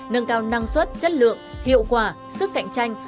nâng cao năng suất chất lượng hiệu quả sức cạnh tranh